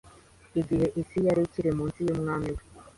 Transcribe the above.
Igihe isi yari ikiri munsi y'Umwami we